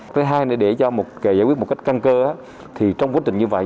cái hai nữa để cho giải quyết một cách căn cơ thì trong quá trình như vậy